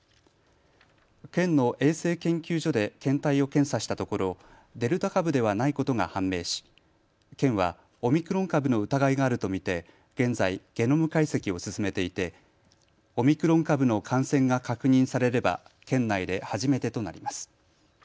県の衛生研究所で検体を検査したところデルタ株ではないことが判明し県はオミクロン株の疑いがあると見て現在、ゲノム解析を進めていてオミクロン株の感染が確認されれば県内で初めてとなります。